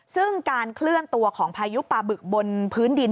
ซึ่งการเคลื่อนตัวของพายุปลาบึกบนพื้นดิน